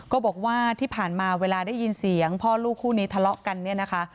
ก็บอกว่าที่ผ่านมาเวลาได้ยินเสียงพ่อลูกคู่นี้ทะเลาะกันเนี่ยนะคะ